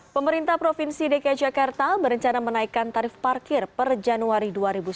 pemerintah provinsi dki jakarta berencana menaikkan tarif parkir per januari dua ribu sembilan belas